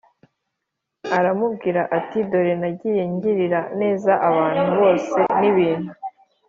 aramubwira ati Dore nagiye ngirira neza abantu bose n ibintu